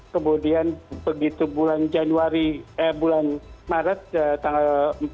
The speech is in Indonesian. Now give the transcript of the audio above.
kemudian begitu bulan januari eh bulan maret tanggal empat